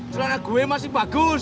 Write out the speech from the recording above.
celana gue masih bagus